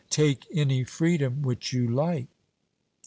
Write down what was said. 'Take any freedom which you like.'